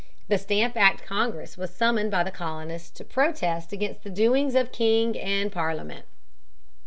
The Stamp Act Congress was summoned by the colonists to protest against the doings of king and Parliament.